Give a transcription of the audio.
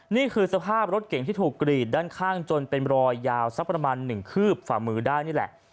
นี่คือสภาพรถเก่งที่ถูกกรีดด้านข้างจนเป็นรอยยาวสักประมาณ๑คืบฝ่ามือได้นี่แหละ